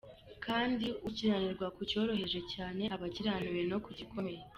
Kandi ukiranirwa ku cyoroheje cyane, aba akiraniwe no ku gikomeye….